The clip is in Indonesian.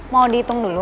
mau dihitung dulu